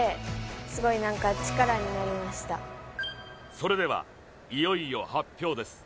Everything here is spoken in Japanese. それではいよいよ発表です